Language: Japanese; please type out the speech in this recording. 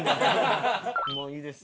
もういいです。